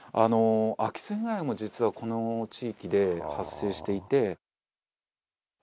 空き巣被害も実はこの地域で発生していて。